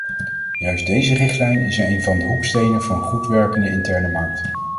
Juist deze richtlijn is een van de hoekstenen voor een goed werkende interne markt.